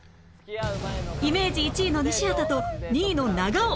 イメージ１位の西畑と２位の長尾